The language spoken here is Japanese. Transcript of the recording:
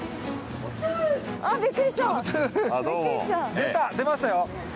出た出ましたよ